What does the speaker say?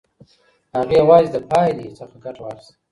هغې یوازې د پایلې څخه ګټه واخیسته.